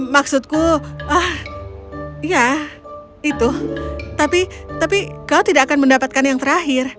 maksudku ya itu tapi kau tidak akan mendapatkan yang terakhir